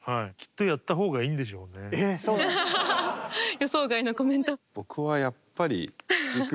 予想外のコメント。